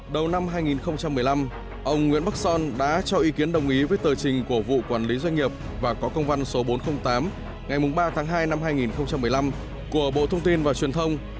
đầu năm hai nghìn một mươi năm ông nguyễn bắc son đã cho ý kiến đồng ý với tờ trình của vụ quản lý doanh nghiệp và có công văn số bốn trăm linh tám ngày ba tháng hai năm hai nghìn một mươi năm của bộ thông tin và truyền thông